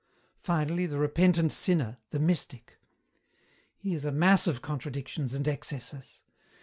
"Finally the repentant sinner, the mystic. "He is a mass of contradictions and excesses.